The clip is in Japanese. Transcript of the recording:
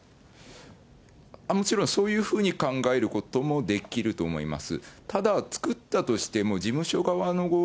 もちろんそういうふうに考えることもできると思います。